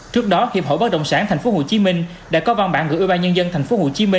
trước đó hiệp hội bác động sản tp hcm đã có văn bản gửi ủy ban nhân dân tp hcm